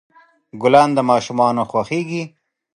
ګلان د ماشومان خوښیږي.